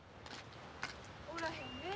おらへんねえ。